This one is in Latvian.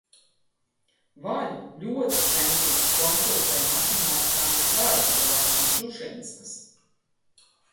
Vaļu ļoti centīgi konsultēja matemātikā mans vārdabrālis no Šušenskas.